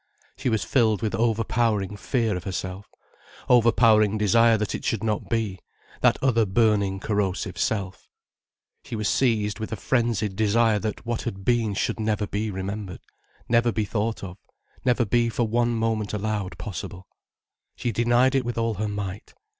She was filled with overpowering fear of herself, overpowering desire that it should not be, that other burning, corrosive self. She was seized with a frenzied desire that what had been should never be remembered, never be thought of, never be for one moment allowed possible. She denied it with all her might.